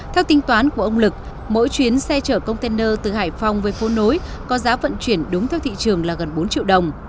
theo tính toán của ông lực mỗi chuyến xe chở container từ hải phòng với phố nối có giá vận chuyển đúng theo thị trường là gần bốn triệu đồng